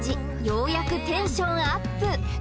ようやくテンションアップ